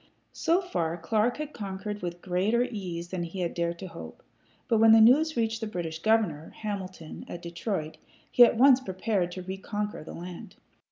So far, Clark had conquered with greater ease than he had dared to hope. But when the news reached the British governor, Hamilton, at Detroit, he at once prepared to reconquer the land.